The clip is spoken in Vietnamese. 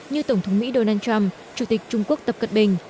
như tổng thống mỹ donald trump chủ tịch trung quốc tập cận bình